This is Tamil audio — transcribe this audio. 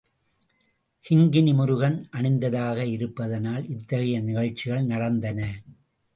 கிங்கிணி முருகன் அணிந்ததாக இருப்பதனால் இத்தகைய நிகழ்ச்சிகள் நடந்தன.